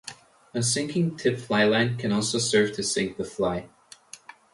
A sinking tip fly line can also serve to sink the fly.